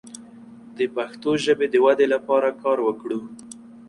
د پښتو ژبې د ودې لپاره کار وکړو.